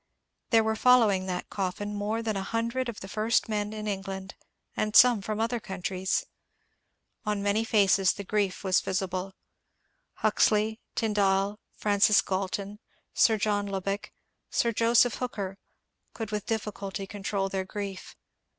There were following that coffin more than a hundred of the first men in England and some from other countries. On many faces the grief was visible. Huxley, Tyndall, Francis Galton, Sir John Lubbock, Sir Joseph Hooker, could with difficulty control their grief.